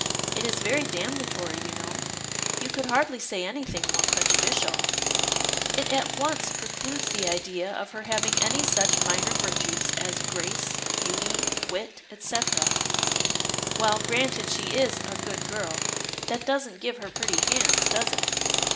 It is very damnatory, you know. You could hardly say anything more prejudicial. It at once precludes the idea of her having any such minor virtues as grace, beauty, wit, etc. Well, granted she is 'a good girl,' that doesn't give her pretty hands, does it?